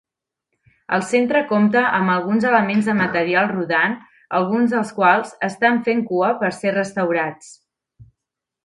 El centre compta amb alguns elements de material rodant, alguns dels quals estan fent cua per ser restaurats.